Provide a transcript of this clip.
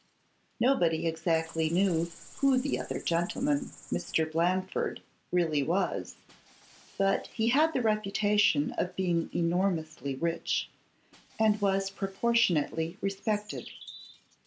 Nobody exactly knew who the other gentleman, Mr. Bland ford, really was, but he had the reputation of being enormously rich, and was proportionately respected.